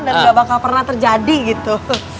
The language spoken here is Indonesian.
dan gak bakal pernah terjadi gitu